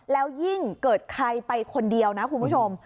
แล้วยิ่งเกิดใครไปคนเดียวนะคุณผู้ชม